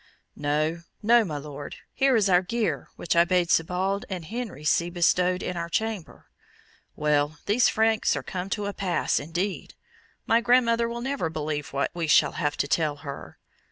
"No, no, my Lord; here is our gear, which I bade Sybald and Henry see bestowed in our chamber. Well, these Franks are come to a pass, indeed! My grandmother will never believe what we shall have to tell her.